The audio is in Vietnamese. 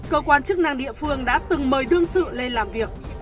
cơ quan chức năng địa phương đã từng mời đương sự lên làm việc